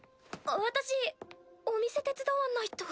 私お店手伝わないと。